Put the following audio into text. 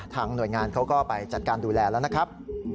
หน่วยงานเขาก็ไปจัดการดูแลแล้วนะครับ